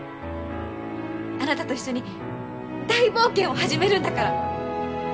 あなたと一緒に大冒険を始めるんだから！